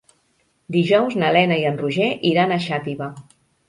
Dijous na Lena i en Roger iran a Xàtiva.